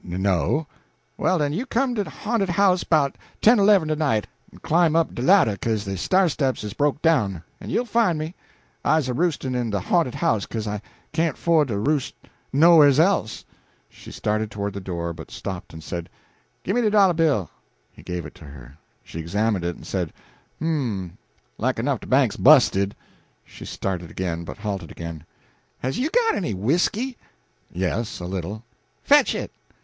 "N no." "Well, den, you come to de ha'nted house 'bout ten or 'leven to night, en climb up de ladder, 'ca'se de sta'r steps is broke down, en you'll find me. I's a roostin' in de ha'nted house 'ca'se I can't 'ford to roos' nowhers' else." She started toward the door, but stopped and said, "Gimme de dollah bill!" He gave it to her. She examined it and said, "H'm like enough de bank's bu'sted." She started again, but halted again. "Has you got any whisky?" "Yes, a little." "Fetch it!"